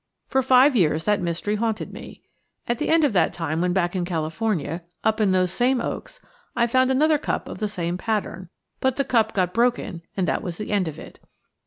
For five years that mystery haunted me. At the end of that time, when back in California, up in those same oaks, I found another cup of the same pattern; but the cup got broken and that was the end of it.